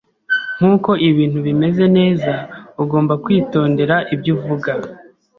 Nkuko ibintu bimeze neza, ugomba kwitondera ibyo uvuga.